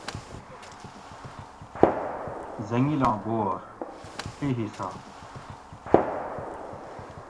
زنگلاں بور (ڷی حصّہ)